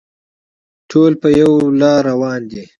ټول په یوه لاره روان دي.